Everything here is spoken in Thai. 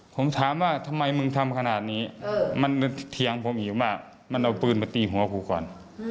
ผมถามว่าทำไมมึงทำขนาดนี้มันเถียงผมอีกว่ามันเอาปืนมาตีหัวกูก่อน